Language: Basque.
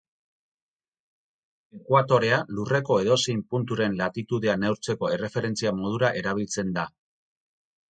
Ekuatorea lurreko edozein punturen Latitudea neurtzeko erreferentzia modura erabiltzen da.